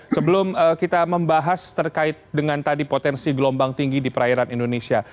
sebelum kita membahas terkait dengan tadi potensi gelombang tinggi di perairan indonesia